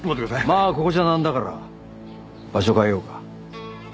まあここじゃなんだから場所変えようか。